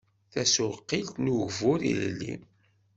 Tasuqilt n ugbur ilelli